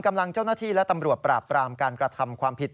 กำลังเจ้าหน้าที่และตำรวจปราบปรามการกระทำความผิด